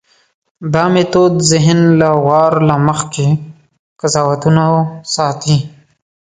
دا میتود ذهن له وار له مخکې قضاوتونو ساتي.